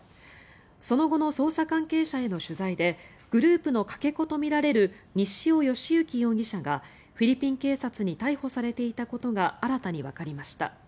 その後の捜査関係者への取材でグループのかけ子とみられる西尾嘉之容疑者がフィリピン警察に逮捕されていたことが新たにわかりました。